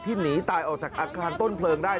หนีตายออกจากอาคารต้นเพลิงได้